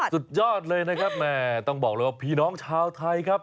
สุดยอดเลยนะครับแม่ต้องบอกเลยว่าพี่น้องชาวไทยครับ